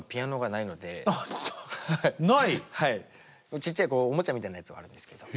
ちっちゃいおもちゃみたいなやつはあるんですけど。